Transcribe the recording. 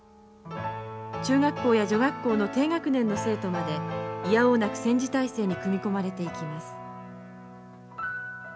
中学校や女学校の低学年の生徒までいやおうなく戦時体制に組み込まれていきます。